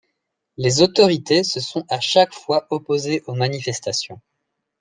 Les autorités se sont à chaque fois opposées aux manifestations.